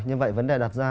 như vậy vấn đề đặt ra